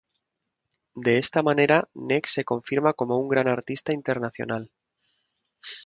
De esta manera Nek se confirma como un gran artista internacional.